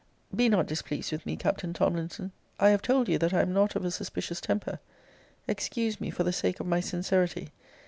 Be not displeased with me, Captain Tomlinson. I have told you that I am not of a suspicious temper. Excuse me for the sake of my sincerity.